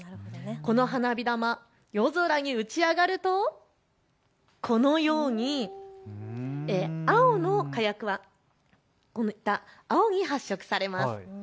この花火玉、夜空に打ち上がるとこのように青の火薬は青に発色されます。